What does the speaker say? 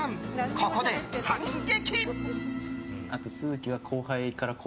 ここで反撃。